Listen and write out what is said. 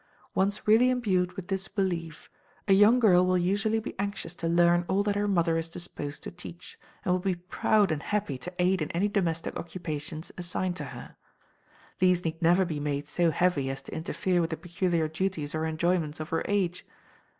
Once really imbued with this belief, a young girl will usually be anxious to learn all that her mother is disposed to teach, and will be proud and happy to aid in any domestic occupations assigned to her. These need never be made so heavy as to interfere with the peculiar duties or enjoyments of her age.